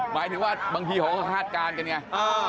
หมายถึงว่าบางทีเขาก็คาดการณ์กันไง